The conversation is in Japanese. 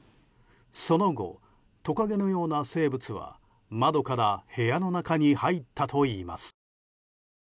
その後、トカゲのような生物は窓から部屋の中に入ったといいます。